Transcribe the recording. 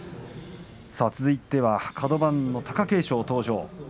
続いてはカド番の貴景勝登場。